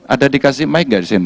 ada dikasih mike gak di sini